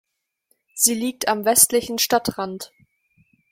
Sie liegt am westlichen Stadtrand.